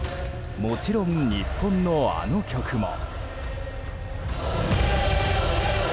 もちろん日本のあの曲も。